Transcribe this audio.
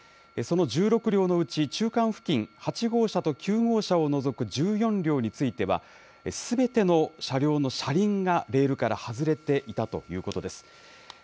その１６両のうち中間付近、８号車と９号車を除く１４両についてはすべての車両の車輪がレールから外れていたということです。